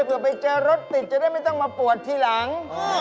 เกิดไปเจอรถติดจะได้ไม่ต้องมาปวดทีหลัง